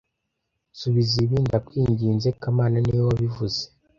Nsubize ibi, ndakwinginze kamana niwe wabivuze